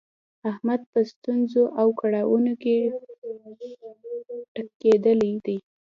احمد په ستونزو او کړاونو کې ټکېدلی دی.